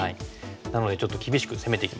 なのでちょっと厳しく攻めていきます。